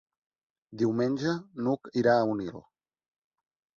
Diumenge n'Hug irà a Onil.